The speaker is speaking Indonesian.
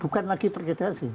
bukan lagi terdegradasi